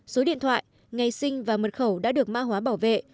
số điện thoại ngày sinh và mật khẩu đã được mã hóa bảo vệ